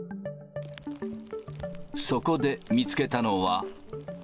そこで見つけたのは。